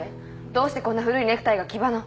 どうしてこんな古いネクタイが木場の。